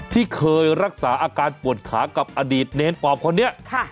ที่เคยรักษาอาการปวดขากับอดีตเนรปอบคนนี้